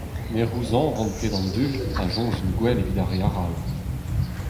Ne c'houzañvan ket an dud a soñj int gwell evit ar re arall.